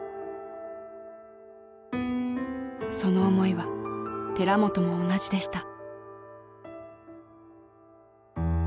その思いは寺本も同じでした。